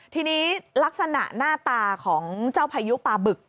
ทีนี้ลักษณะหน้าตาของเจ้าพายุปลาบึก